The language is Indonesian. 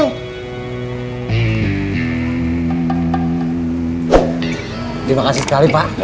terima kasih sekali pak